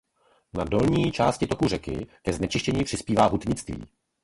Na dolní části toku řeky ke znečištění přispívá hutnictví.